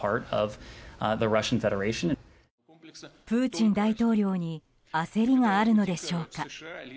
プーチン大統領に焦りがあるのでしょうか。